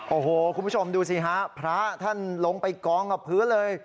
โอ้โหคุณผู้ชมดูสิฮะพระท่านลงไปกองกับพื้นเลย